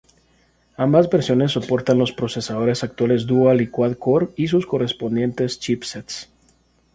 Ambas versiones soportan los procesadores actuales dual y quad core y sus correspondientes chipsets.